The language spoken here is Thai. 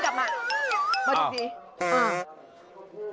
มาใดไป